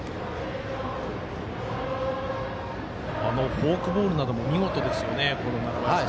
フォークボールなども見事ですよね、楢林。